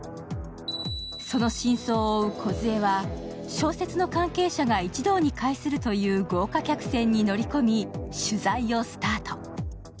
その真相を追う梢は小説の関係者が一堂に会するという豪華客船に乗り込み取材をスタート。